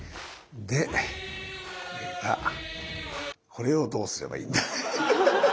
これをどうすればいいんだ？